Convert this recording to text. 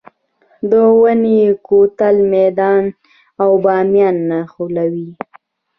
د اونی کوتل میدان او بامیان نښلوي